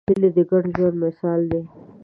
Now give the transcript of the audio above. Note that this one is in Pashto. هیلۍ د ګډ ژوند مثال ده